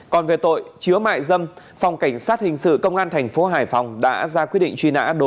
còn về tội chứa mại dâm phòng cảnh sát hình sự công an thành phố hải phòng đã ra quyết định truy nã